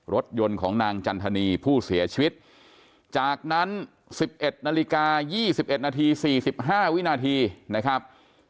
รถยนต์ของนางจันทนีผู้เสียชีวิตจากนั้น๑๑นาฬิกา๒๑นาที๔๕วินาทีนะครับ